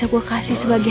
aku bisa berdoa sama dia